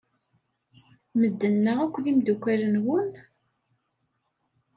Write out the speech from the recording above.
Medden-a akk d imeddukal-nwen?